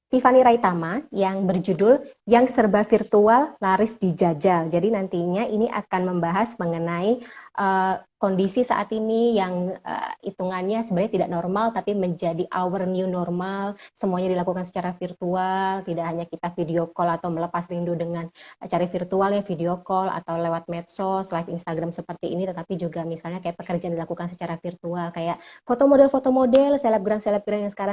tivani raittama yang berjudul yang serba virtual laris di jajal jadi nantinya ini akan membahas mengenai kondisi saat ini yang itungannya sebenarnya tidak normal tapi menjadi our new normal semuanya dilakukan secara virtual tidak hanya kita video call atau melepas rindu dengan acara virtual ya video call atau lewat medsos live instagram seperti ini tetapi juga misalnya kayak pekerjaan dilakukan secara virtual kayak foto model foto model selebgram selebgram yang sekarang ada di negara maldives maladewa yang terima kasih